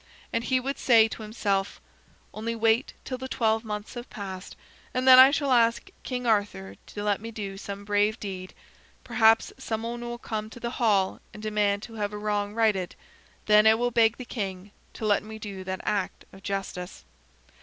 And he would say to himself: "Only wait till the twelve months have passed, and then I shall ask King Arthur to let me do some brave deed. Perhaps some one will come to the hall and demand to have a wrong righted. Then I will beg the king to let me do that act of justice."